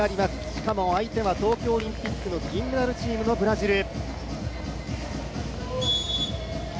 しかも相手は東京オリンピックの銀メダルチームのブラジル。